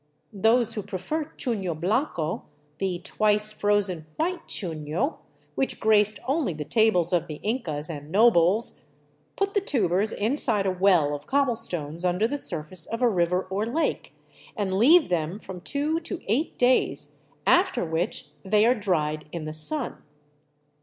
Those who prefer chuno bianco, the " twice frozen white chufio " which graced only the tables of the Incas and nobles, put the tubers inside a well of cobble stones undei 308 THE ROOF OF PERU the surface of a river or lake, and leave them from two to eight days, after which they are dried in the sun.